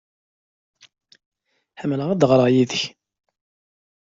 Ḥemmleɣ ad ddreɣ yid-k.